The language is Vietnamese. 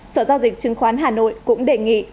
sở giao dịch chứng khoán hà nội cũng đề nghị